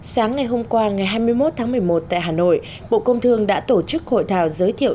sáng ngày hôm qua ngày hai mươi một tháng một mươi một tại hà nội bộ công thương đã tổ chức hội thảo giới thiệu